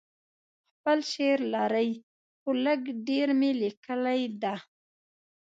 خپل شعر لرئ؟ هو، لږ ډیر می لیکلي ده